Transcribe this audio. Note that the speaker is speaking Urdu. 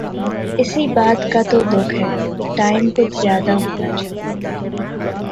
اسی بات کا تو دکھ ہے۔ یہ ٹائم کچھ زیادہ ہونا چاہئے تھا